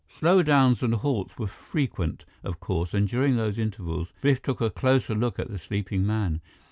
Slowdowns and halts were frequent, of course, and during those intervals, Biff took a closer look at the sleeping man.